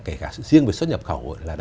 kể cả riêng về xuất nhập khẩu